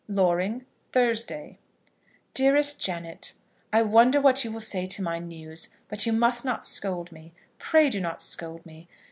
Loring, Thursday. DEAREST JANET, I wonder what you will say to my news? But you must not scold me. Pray do not scold me.